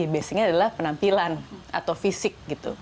biasanya adalah penampilan atau fisik